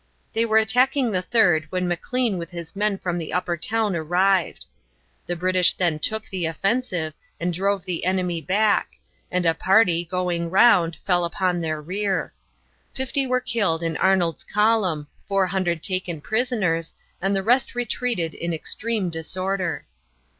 They were attacking the third when Maclean with his men from the upper town arrived. The British then took the offensive, and drove the enemy back, and a party, going round, fell upon their rear. Fifty were killed in Arnold's column, 400 taken prisoners, and the rest retreated in extreme disorder.